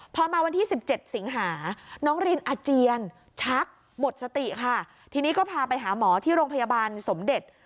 พอมาวันที่๑๗สิงหาน้องรินอาเจียนชักหมดสติค่ะทีนี้ก็พาไปหาหมอที่โรงพยาบาลสมเด็จ